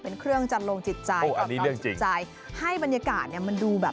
เป็นเครื่องจันโลงจิตใจเอาเรื่องจิตใจให้บรรยากาศเนี่ยมันดูแบบ